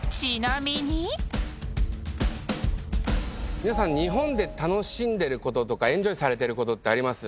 皆さん日本で楽しんでることとかエンジョイされてることってあります？